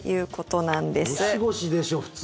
ゴシゴシでしょう、普通。